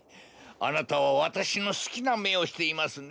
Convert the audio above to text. あなたは私の好きな目をしていますね。